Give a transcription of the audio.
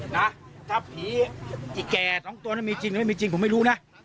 นะถ้าผีไอ้แก่สองตัวนั้นมีจริงหรือไม่มีจริงผมไม่รู้นะ